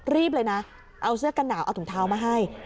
รีบเลยนะเอาเสื้อกันหนาวเอาถุงเท้ามาให้